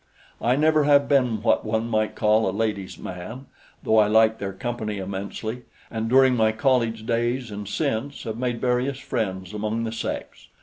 I never have been what one might call a ladies' man, though I like their company immensely, and during my college days and since have made various friends among the sex.